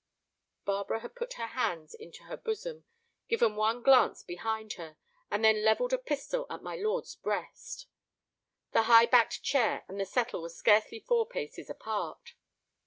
Barbara had put her hands into her bosom, given one glance behind her, and then levelled a pistol at my lord's breast. The high backed chair and the settle were scarcely four paces apart.